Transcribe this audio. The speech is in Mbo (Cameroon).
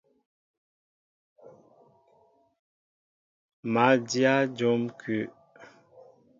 Má ndyă njóm kúw.